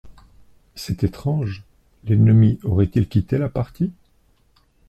C'est étrange, l'ennemi aurait-il quitté la partie ?.